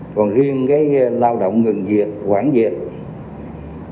còn riêng cái lao động ngừng việc quản việc